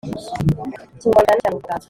ikinyarwanda cyane cyane ubuvanganzo